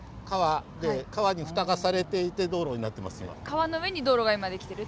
川の上に道路が今出来てる。